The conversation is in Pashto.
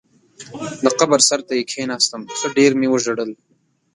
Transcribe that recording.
د قبر سر ته یې کېناستم، ښه ډېر مې وژړل.